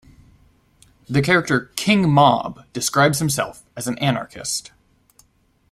The character "King Mob" describes himself as an anarchist.